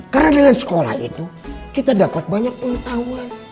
karena dengan sekolah itu kita dapat banyak pengetahuan